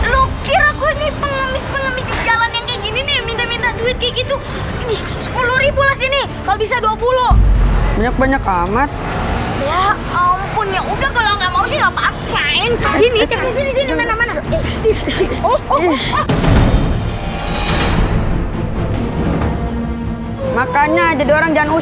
lo kira gue nih pengumis pengumis jalan yang kayak gini minta minta duit gitu